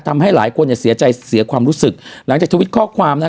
ทำให้หลายคนเนี่ยเสียใจเสียความรู้สึกหลังจากทวิตข้อความนะ